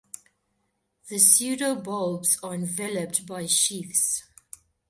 The pseudobulbs are enveloped by sheaths.